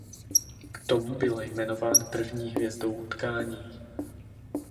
K tomu byl jmenován první hvězdou utkání.